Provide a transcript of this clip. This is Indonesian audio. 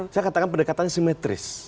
saya katakan pendekatan simetris